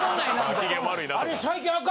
機嫌悪いなとか。